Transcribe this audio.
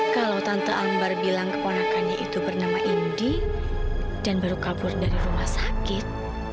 kalau tante albar bilang keponakannya itu bernama indi dan baru kabur dari rumah sakit